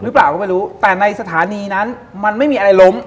หรือเปล่าก็ไม่รู้แต่ในสถานีนั้นมันไม่มีอะไรล้ม